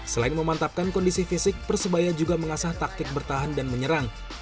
selain memantapkan kondisi fisik persebaya juga mengasah taktik bertahan dan menyerang